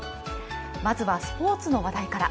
まずはスポーツの話題から。